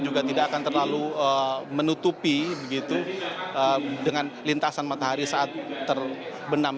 juga tidak akan terlalu menutupi begitu dengan lintasan matahari saat terbenam